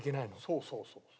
そうそうそうそう。